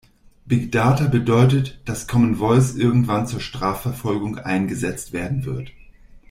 Big Data bedeutet, dass Common Voice irgendwann zur Strafverfolgung eingesetzt werden wird.